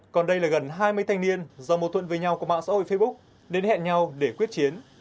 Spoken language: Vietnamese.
còn đây là gần hai mươi thanh niên do mâu thuận với nhau của mạng xã hội facebook đến hẹn nhau để quyết chiến